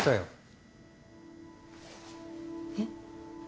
えっ？